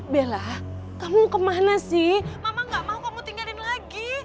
bella kamu kemana sih mama gak mau kamu tinggalin lagi